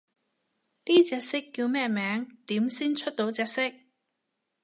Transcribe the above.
呢隻色叫咩名？點先出到隻色？